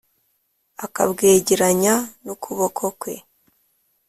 akabwegeranya n’ukuboko kwe ;